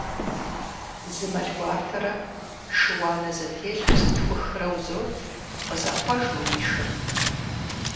Зы мэл гуартэрэ шы уанэ зэтелъу зытхухрэ узот, къызэхъуэж мы уи шыр!